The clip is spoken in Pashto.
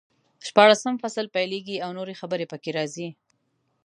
شپاړسم فصل پیلېږي او نورې خبرې پکې راځي.